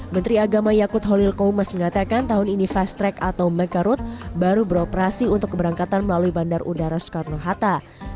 menteri agama yakut holil koumas mengatakan tahun ini fast track atau macan road baru beroperasi untuk keberangkatan melalui bandar udara soekarno hatta